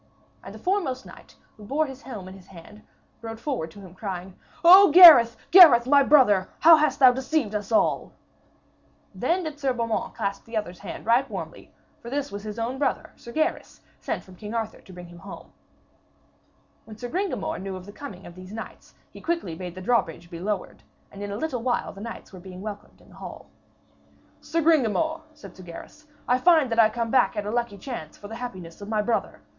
And the foremost knight, who bore his helm in his hand, rode forward to him, crying: 'O Gareth, Gareth, my brother, how hast thou deceived us all!' Then did Sir Beaumains clasp the other's hand right warmly, for this was his own brother, Sir Gaheris, sent from King Arthur to bring him home. When Sir Gringamor knew of the coming of these knights, quickly he bade the drawbridge to be lowered, and in a little while the knights were being welcomed in the hall. 'Sir Gringamor,' said Sir Gaheris, 'I find that I come at a lucky chance for the happiness of my brother.